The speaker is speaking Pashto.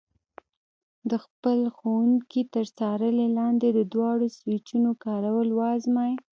د خپل ښوونکي تر څارنې لاندې د دواړو سویچونو کارول وازمایئ.